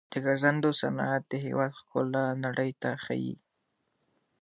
د ګرځندوی صنعت د هیواد ښکلا نړۍ ته ښيي.